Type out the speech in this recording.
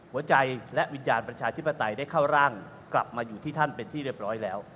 หัวใจและวิญญาณประชาธิปไตยได้เข้าร่างกลับมาอยู่ที่ท่านเป็นที่เรียบร้อยแล้ว